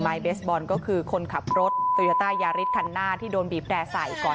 เบสบอลก็คือคนขับรถโตโยต้ายาริสคันหน้าที่โดนบีบแร่ใส่ก่อน